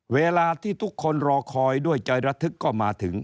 เวลาที่ทุกคนรอคอยด้วยใจระทึกก็มาถึง